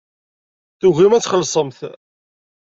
Tugimt ad txellṣemt.